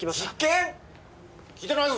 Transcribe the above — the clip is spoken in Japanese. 聞いてないぞ